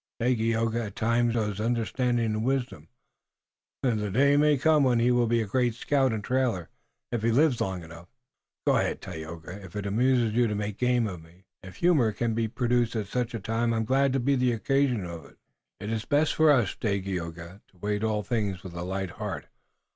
"Dagaeoga, at times, shows understanding and wisdom. The day may come when he will be a great scout and trailer if he lives long enough." "Go ahead, Tayoga, if it amuses you to make game of me. If humor can be produced at such a time I'm glad to be the occasion of it." "It's best for us, Dagaeoga, to await all things with a light heart.